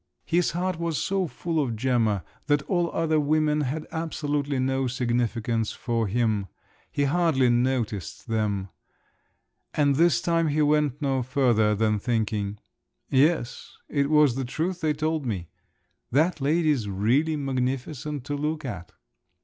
His heart was so full of Gemma that all other women had absolutely no significance for him; he hardly noticed them; and this time he went no further than thinking, "Yes, it was the truth they told me; that lady's really magnificent to look at!"